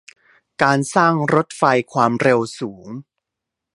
การสร้างรถไฟความเร็วสูง